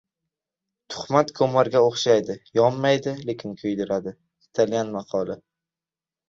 Tuhmat ko‘mirga o‘xshaydi, yonmaydi, lekin kuydiradi. Italyan maqoli